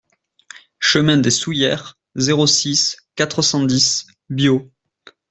Chemin des Soullieres, zéro six, quatre cent dix Biot